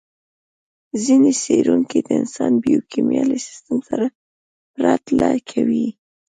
ځينې څېړونکي د انسان بیوکیمیا له سیستم سره پرتله کوي.